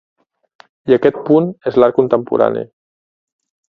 I aquest punt és l'art contemporani.